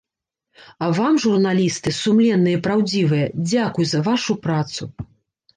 А вам журналісты, сумленныя і праўдзівыя, дзякуй за вашу працу.